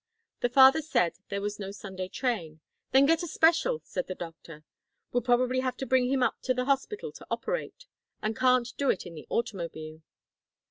The father said there was no Sunday train. 'Then get a special,' said the doctor. 'We'll probably have to bring him up to the hospital to operate, and can't do it in the automobile.'